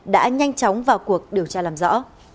đã nhanh chóng vào cuộc điều tra làm rõ